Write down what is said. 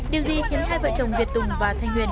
điều gì khiến hai vợ chồng việt tùng và thanh huyền